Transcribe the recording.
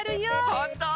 ほんと？